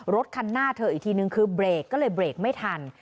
รถคันหน้าเธออีกทีนึงคือเบรกก็เลยเบรกไม่ทัน